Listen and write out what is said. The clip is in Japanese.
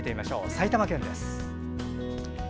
埼玉県です。